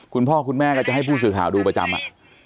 คุณพ่อคุณแม่ก็จะให้ผู้สื่อข่าวดูประจำอ่ะ